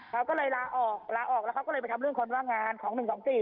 เขาก็เลยลาออกลาออกแล้วเขาก็เลยไปทำเรื่องคนว่างงานของ๑๒๔